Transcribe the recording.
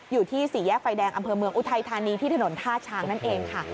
อยู่ที่สี่แยกไฟแดงอำเภอเมืองอุทัยธานีที่ถนนท่าช้างนั่นเองค่ะ